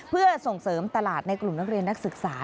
เพื่อส่งเสริมตลาดในกลุ่มนักเรียนนักศึกษา